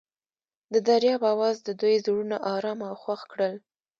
د دریاب اواز د دوی زړونه ارامه او خوښ کړل.